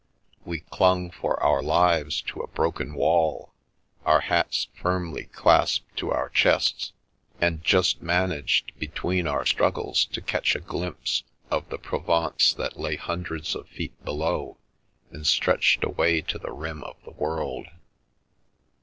We clung for our lives to a broken wall, our hats firmly clasped to our chests, and just managed, between our struggles, to catch a glimpse of the Provence that lay hundreds of feet below and stretched away to the rim of the world.